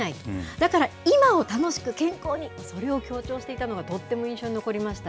だから、今を楽しく健康にそれを強調していたのがとっても印象に残りました。